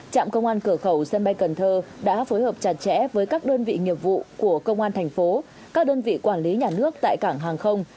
trạm công an cửa khẩu sân bay cần thơ đã phối hợp chặt chẽ với các đơn vị nghiệp vụ của công an thành phố các đơn vị quản lý nhà nước tại cảng hàng không